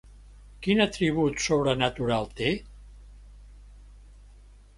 Quin atribut sobrenatural té?